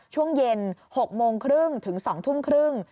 ช่วงเย็น๖โมงครึ่งถึง๒ทุ่มครึ่ง